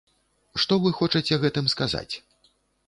Што вы хочаце гэтым сказаць?